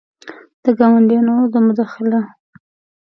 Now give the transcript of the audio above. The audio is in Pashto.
د ګاونډیانو د مداخلو